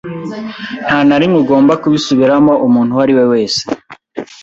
Nta na rimwe ugomba kubisubiramo umuntu uwo ari we wese.